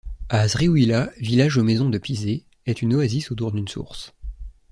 À Zriouila, village aux maisons de pisé, est une oasis autour d'une source.